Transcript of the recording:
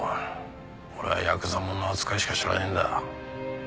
俺はヤクザもんの扱いしか知らねえんだ。